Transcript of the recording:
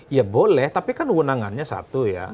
ya boleh tapi kan kewenangannya satu ya